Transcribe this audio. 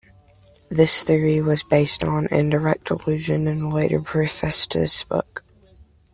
This theory was based on indirect allusion in a later preface to this book.